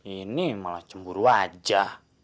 ini malah cemburu aja